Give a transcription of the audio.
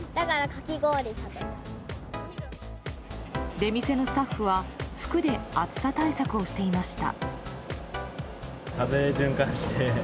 出店のスタッフは服で暑さ対策をしていました。